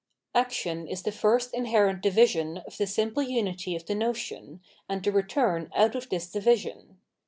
Action is the first inherent division of the simple unity of the notion, and the return out of this division.